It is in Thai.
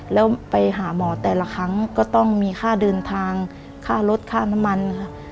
แล้วไปหาหมอแต่ละครั้งก็ต้องมีค่าเดินทางค่ารถค่าน้ำมันค่ะ